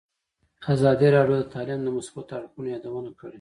ازادي راډیو د تعلیم د مثبتو اړخونو یادونه کړې.